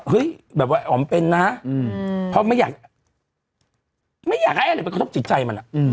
เฮ้ยแบบว่าอ๋อมเป็นนะอืมเพราะไม่อยากไม่อยากอะไรไปกระทบจิตใจมันอ่ะอืม